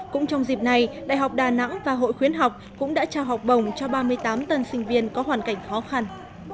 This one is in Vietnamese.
cũng trong dịp này đại học đà nẵng và hội khuyến học cũng đã trao học bổng cho ba mươi tám tân sinh viên có hoàn cảnh khó khăn